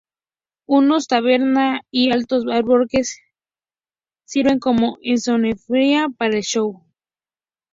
Una taberna y altos arboles sirven como escenografía para el show.